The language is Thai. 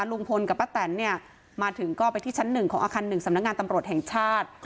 ลุงพลกับป้าแตนเนี่ยมาถึงก็ไปที่ชั้น๑ของอาคาร๑สำนักงานตำรวจแห่งชาติ